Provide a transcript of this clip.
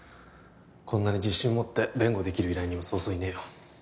こんなに自信持って弁護できる依頼人はそうそういねえよ